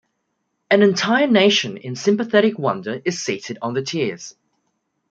An entire nation in sympathetic wonder is seated on the tiers.